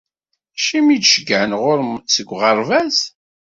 Acimi i d-ceggɛen ɣur-m seg uɣerbaz?